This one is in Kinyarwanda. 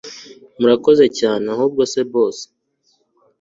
mwakoze cyane ahubwo se boss